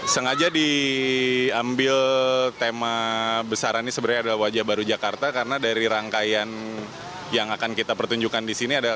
sengaja diambil tema besaran ini sebenarnya adalah wajah baru jakarta karena dari rangkaian yang akan kita pertunjukkan di sini